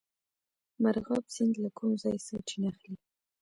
مرغاب سیند له کوم ځای سرچینه اخلي؟